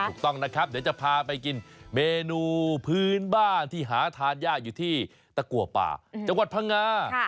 ถูกต้องนะครับเดี๋ยวจะพาไปกินเมนูพื้นบ้านที่หาทานยากอยู่ที่ตะกัวป่าจังหวัดพังงา